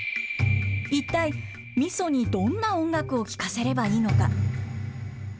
一体、みそにどんな音楽を聴かせればいいのか。